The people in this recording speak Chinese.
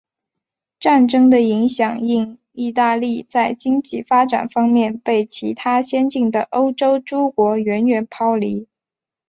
战争的影响令意大利在经济发展方面被其他先进的欧洲诸国远远抛离。